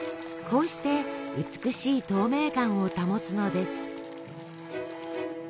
こうして美しい透明感を保つのです。